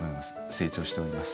成長しております。